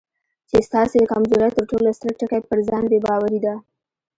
چې ستاسې د کمزورۍ تر ټولو ستر ټکی پر ځان بې باوري ده.